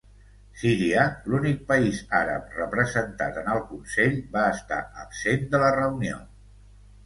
Síria, l'únic país àrab representat en el consell, va estar absent de la reunió.